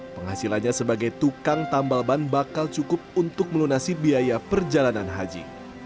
penghasilannya sebagai tukang tambal ban bakal cukup untuk melunasi biaya perjalanan haji